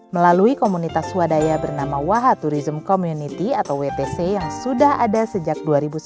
melalui komunitas swadaya bernama waha tourism community atau wtc yang sudah ada sejak dua ribu sepuluh